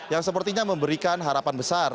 yang sepertinya memberikan harapan besar